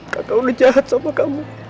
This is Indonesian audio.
kakak udah jahat sama kamu